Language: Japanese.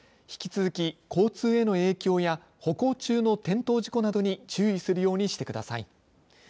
引き続き、交通への影響や歩行中の転倒事故などに注意するようにしてください。